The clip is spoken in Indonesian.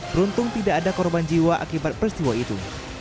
beruntung tidak ada korban jiwa akibat peristiwa itu